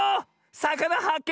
さかなはっけ